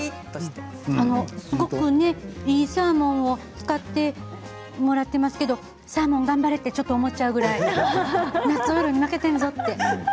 すごくいいサーモンを使ってもらっていますけれどサーモン頑張れとちょっと思っちゃうくらいナッツオイルに負けているぞと。